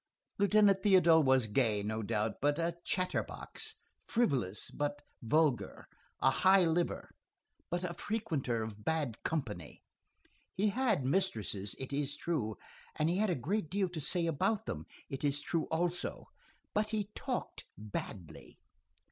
Lieutenant Théodule was gay, no doubt, but a chatter box, frivolous, but vulgar; a high liver, but a frequenter of bad company; he had mistresses, it is true, and he had a great deal to say about them, it is true also; but he talked badly.